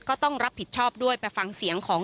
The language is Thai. ก็ต้องรับผิดชอบด้วยไปฟังเสียงของ